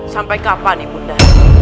sampai kapan nibunda